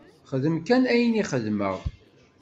Xdem kan ayen i xedmeɣ!